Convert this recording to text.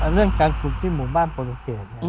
เรื่องการฝึกที่หมู่บ้านโปรตูเกต